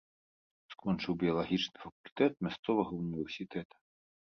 Скончыў біялагічны факультэт мясцовага ўніверсітэта.